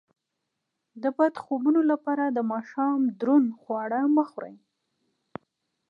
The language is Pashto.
د بد خوبونو لپاره د ماښام دروند خواړه مه خورئ